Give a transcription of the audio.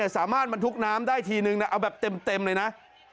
สามารถบรรทุกน้ำได้ทีนึงนะเอาแบบเต็มเลยนะ